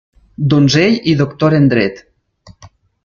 Donzell i Doctor en dret.